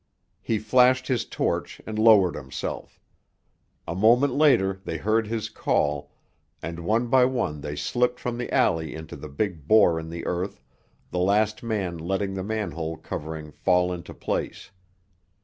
He flashed his torch, and lowered himself. A moment later they heard his call, and one by one they slipped from the alley into the big bore in the earth, the last man letting the manhole covering fall into place.